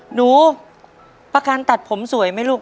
หนูประกันตัดผมสวยไหมลูก